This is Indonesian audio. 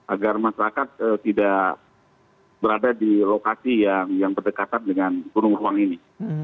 agar masyarakat tidak berada di lokasi yang berdekatan dengan gunung ruang ini